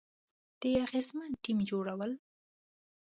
د اغیزمن ټیم جوړول،